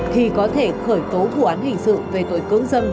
thì có thể khởi tố vụ án hình sự về tội cưỡng dâm